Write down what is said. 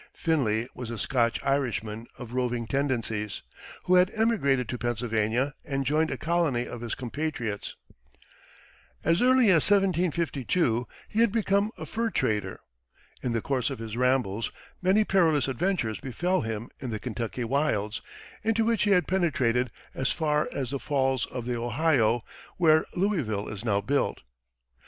Finley was a Scotch Irishman of roving tendencies, who had emigrated to Pennsylvania and joined a colony of his compatriots. As early as 1752 he had become a fur trader. In the course of his rambles many perilous adventures befell him in the Kentucky wilds, into which he had penetrated as far as the Falls of the Ohio, where Louisville is now built.